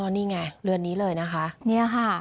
นี่ไงเรือนนี้เลยนะคะ